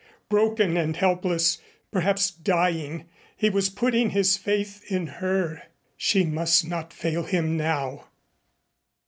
Broken and helpless perhaps dying, he was putting his faith in her. She must not fail him now.